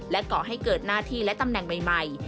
ก่อให้เกิดหน้าที่และตำแหน่งใหม่